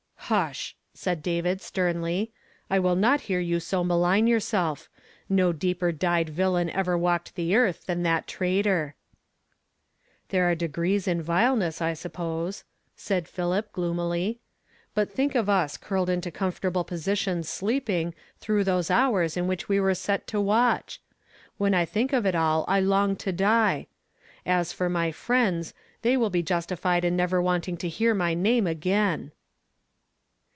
" Hush !" said David sternly, » I will not hear you so malign yourself. No deeper dyed villain ever walked the earth than that traitor." (( "SMITE THE SlIEPfrEUD." There are decrees in vileness, I 816 , frees in vileness, I suppose," said Philil) gloomily; " but think of us curled into com fortable positions sleeping through those hours in Which we were set to watch I WIumi 1 think of it all, I long to die ; as for my friends, they will ho justified in never wanting to hear my name again."